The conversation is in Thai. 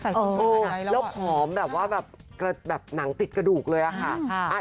แล้วผอมแบบว่าแบบหนังติดกระดูกเลยอะค่ะ